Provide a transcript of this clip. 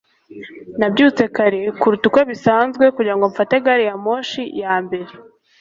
nabyutse kare kuruta uko bisanzwe kugira ngo mfate gari ya moshi ya mbere